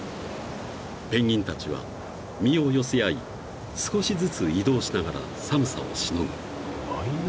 ［ペンギンたちは身を寄せ合い少しずつ移動しながら寒さをしのぐ］